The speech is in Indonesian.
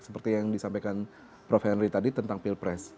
seperti yang disampaikan prof henry tadi tentang pilpres